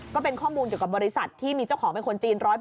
ก็เป็นข้อมูลเกี่ยวกับบริษัทที่มีเจ้าของเป็นคนจีน๑๐๐